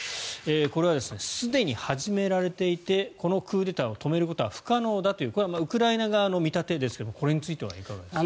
これはすでに始められていてこのクーデターを止めることは不可能だというこれはウクライナ側の見立てですがこれについてはいかがですか。